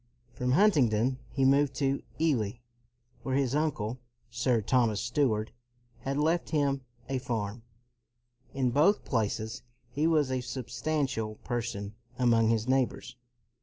'' From Huntingdon, he moved to Ely where his uncle, Sir Thomas Steward, had left him a farm. In both places he was a substantial person among his neighbors.